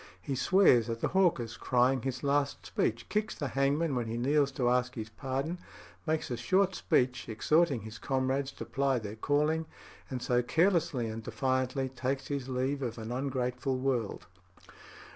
He swears at the hawkers crying his last speech, kicks the hangman when he kneels to ask his pardon, makes a short speech exhorting his comrades to ply their calling, and so carelessly and defiantly takes his leave of an ungrateful world.